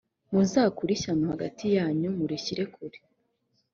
muzakure ishyano hagati yanyu murishyire kure.